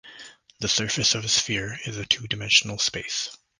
The surface of a sphere is a two-dimensional space.